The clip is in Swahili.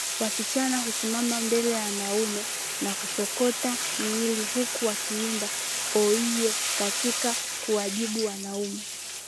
Wasichana husimama mbele ya wanaume na kusokota miili huku wakiimba Oiiiyo katika kuwajibu wanaume